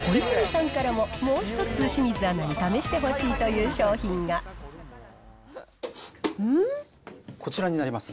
と、ここでコイズミさんからももう一つ清水アナに試してほしいというこちらになります。